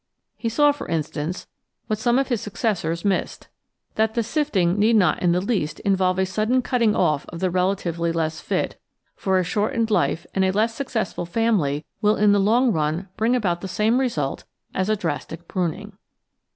He saw, for instance, what some of his suc cessors missed, that the sifting need not in the least involve a sudden cutting off of the relatively less fit, for a shortened life and a less successful family will in the long run bring about the same result as a drastic pruning.